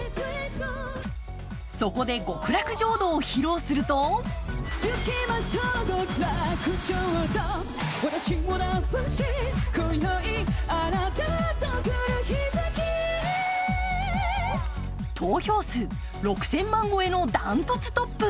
そこで「極楽浄土」を披露すると投票数６０００万超えの断トツトップ。